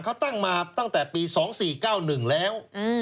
เขาตั้งมาตั้งแต่ปี๒๔๙๑แล้ว